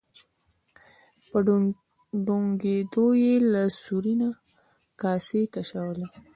په ډونګیدو یې له سوري نه کاسې کشولې.